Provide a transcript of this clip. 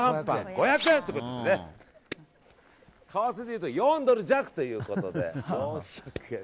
５００円ということで為替でいうと４ドル弱ということで。